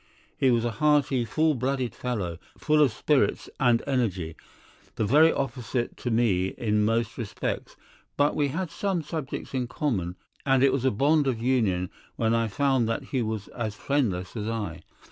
He was a hearty, full blooded fellow, full of spirits and energy, the very opposite to me in most respects, but we had some subjects in common, and it was a bond of union when I found that he was as friendless as I.